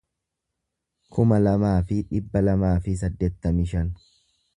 kuma lamaa fi dhibba lamaa fi saddeettamii shan